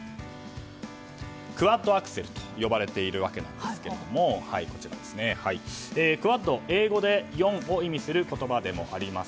クワッドアクセルと呼ばれているんですがクワッド、英語で４を意味する言葉でもあります。